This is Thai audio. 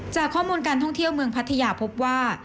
จากข้อมูลการท่องเที่ยวเมืองพัทยาพบว่า